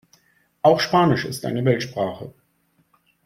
Auch Spanisch ist eine Weltsprache.